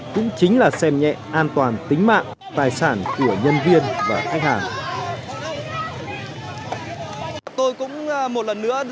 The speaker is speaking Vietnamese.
cũng chính là xem nhẹ an toàn tính mạng tài sản của nhân vật